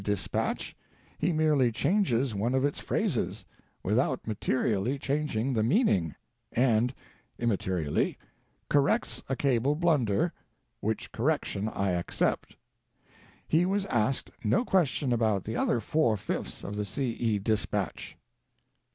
dis patch;" he merely changes one of its phrases, without materially changing the meaning, and (immaterially) corrects a cable blun der (which correction I accept). He was asked no question about the other four fifths of the C. E. dispatch.